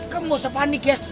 kamu gak usah panik ya